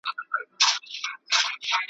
چي د بل په زور اسمان ته پورته کیږي .